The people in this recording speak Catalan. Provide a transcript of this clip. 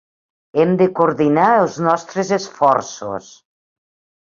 Hem de coordinar els nostres esforços.